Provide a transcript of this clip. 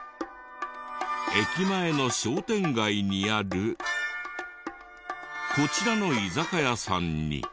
駅前の商店街にあるこちらの居酒屋さんに。